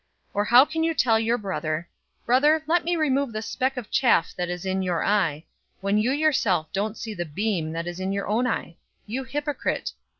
006:042 Or how can you tell your brother, 'Brother, let me remove the speck of chaff that is in your eye,' when you yourself don't see the beam that is in your own eye? You hypocrite!